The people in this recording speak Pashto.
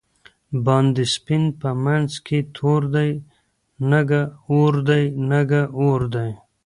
باندی سپین په منځ کی تور دی، نګه اوردی؛ نګه اوردی